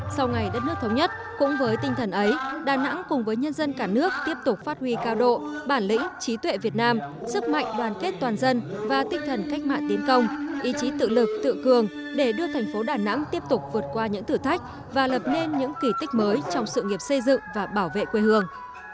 sau ngày đất nước thống nhất cũng với tinh thần ấy đà nẵng cùng với nhân dân cả nước tiếp tục phát huy cao độ bản lĩnh trí tuệ việt nam sức mạnh đoàn kết toàn dân và tinh thần cách mạng tiến công ý chí tự lực tự cường để đưa thành phố đà nẵng tiếp tục vượt qua những thử thách và lập nên những kỳ tích mới trong sự nghiệp xây dựng và bảo vệ quê hương